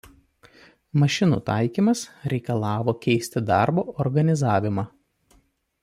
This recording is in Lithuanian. Mašinų taikymas reikalavo keisti darbo organizavimą.